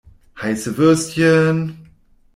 Heiße Würstchen!